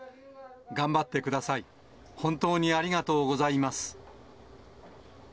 頑張ってください、本当にありがとうございます。